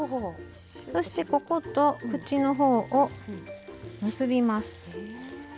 そしてここと口の方を結びます。